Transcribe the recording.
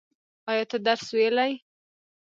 ایا ته درس ویلی؟